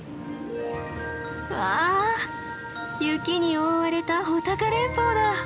わあ雪に覆われた穂高連峰だ。